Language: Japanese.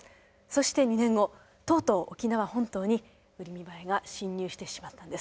そして２年後とうとう沖縄本島にウリミバエが侵入してしまったんです。